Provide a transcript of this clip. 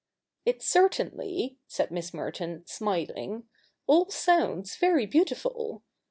' It certainly,' said Miss Merton, smiling, ' all sounds very beautiful.